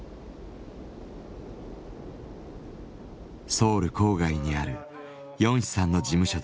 ソウル郊外にあるヨンヒさんの事務所です。